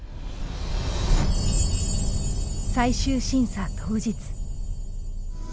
最終審査当日。